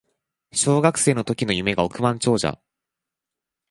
小学生の時の夢が億万長者